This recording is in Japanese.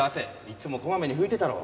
いつもこまめに拭いてたろ。